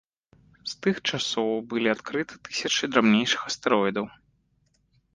З тых часоў былі адкрыты тысячы драбнейшых астэроідаў.